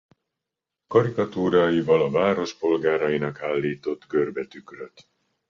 Karikatúráival a város polgárainak állított görbe tükröt.